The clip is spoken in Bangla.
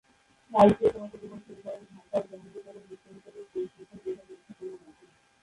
শাইখ পেশাগত জীবন শুরু করেন ঢাকা ও জাহাঙ্গীরনগর বিশ্ববিদ্যালয়ের পরিসংখ্যান বিভাগে অধ্যাপনার মাধ্যমে।